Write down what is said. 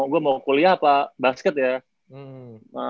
gue mau kuliah apa basket ya